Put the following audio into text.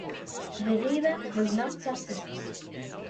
The revamp was not successful.